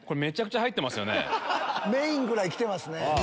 メインぐらい来てますね。